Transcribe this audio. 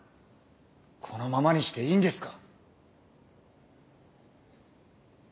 このままにしていいんですか！